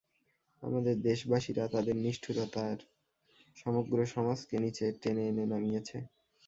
আমাদের দেশবাসীরা তাদের নিষ্ঠুরতায় সমগ্র সমাজকে নীচে টেনে এনে নামিয়েছে।